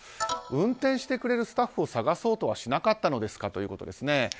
運転してくれるスタッフを探そうとはしなかったのですかということです。